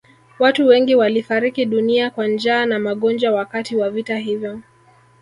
Watu wengi walifariki dunia kwa njaa na magonjwa wakati wa vita hivyo